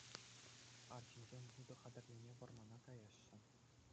Арҫынсем вутӑ хатӗрлеме вӑрмана каяҫҫӗ.